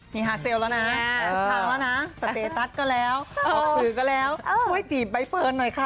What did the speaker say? มีฮาเซลแล้วนะทุกทางแล้วนะสเตตัสก็แล้วออกสื่อก็แล้วช่วยจีบใบเฟิร์นหน่อยค่ะ